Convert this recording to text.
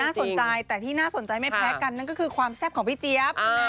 สนใจแต่ที่น่าสนใจไม่แพ้กันนั่นก็คือความแซ่บของพี่เจี๊ยบ